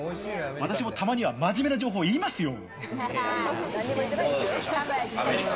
私も、たまには真面目な情報を言いますよ。